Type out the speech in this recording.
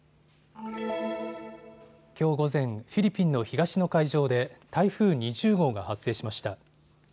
きょう午前、フィリピンの東の海上で台風２０号が発生しました。